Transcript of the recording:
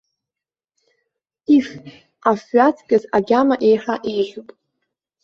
Иф, афҩы аҵкьыс агьама еиҳа иеиӷьуп!